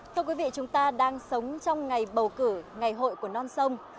thưa quý vị chúng ta đang sống trong ngày bầu cử ngày hội của non sông